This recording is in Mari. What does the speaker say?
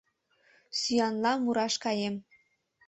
- Сӱанла мураш каем.